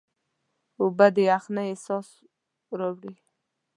اوبه د یخنۍ احساس راوړي.